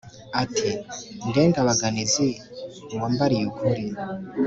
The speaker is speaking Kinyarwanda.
Ati: Ndengabaganizi, uwambaliye ukuli,